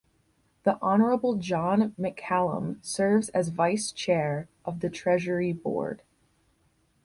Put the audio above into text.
The Honourable John McCallum serves as Vice Chair of the Treasury Board.